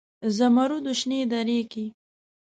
زمرودو شنې درې کې